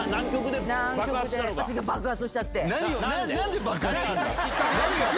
私が爆発しちゃって。